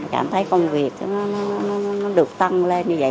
cảm thấy công việc nó được tăng lên như vậy